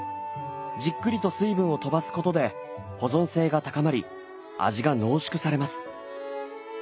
じっくりと水分を飛ばすことで保存性が高まり味が濃縮されます。